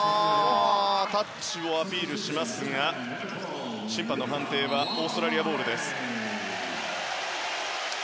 タッチをアピールしますが審判の判定はオーストラリアボールです。